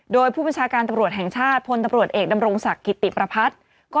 โดยผู้บตำรวจแห่งชาติพลตำรวจเอกดำรงสักกิติประพัด